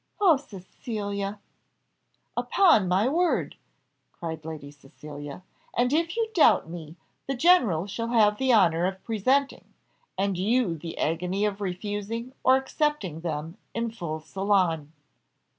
"Oh, Cecilia!" "Upon my word!" cried Lady Cecilia; "and if you doubt me, the general shall have the honour of presenting, and you the agony of refusing or accepting them in full salon."